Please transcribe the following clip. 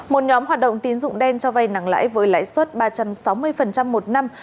một nhóm hoạt động tín dụng đen cho vay nặng lãi với lãi suất ba trăm sáu mươi một năm